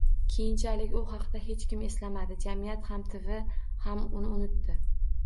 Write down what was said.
Keyinchalik u haqida hech kim eslamadi, jamiyat ham tv ham uni unutdi.